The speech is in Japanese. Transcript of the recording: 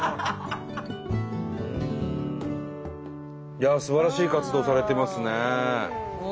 いやあすばらしい活動をされてますね。